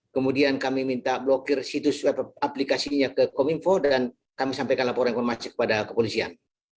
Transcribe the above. kemudian kami minta blokir situs aplikasinya ke kominfo dan kami sampaikan laporan yang akan masuk kepada kepolisian